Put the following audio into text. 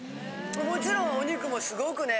もちろんお肉もすごくね